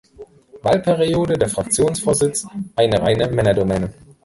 Wahlperiode der Fraktionsvorsitz eine reine Männerdomäne.